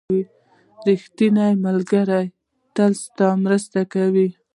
• ریښتینی ملګری تل ستا مرسته کوي.